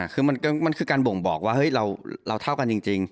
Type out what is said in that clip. คือมันคือการบ่งบอกว่าเฮ้ยเราเท่ากันจริง